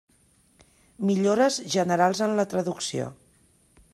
Millores generals en la traducció.